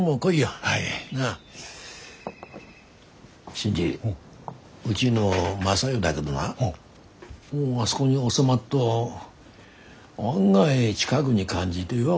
新次うちの雅代だげどなもうあそごに収まっと案外近ぐに感じでよ。